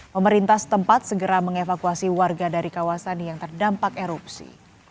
pemerintah setempat segera mengevakuasi warga dari kawasan yang terdampak erupsi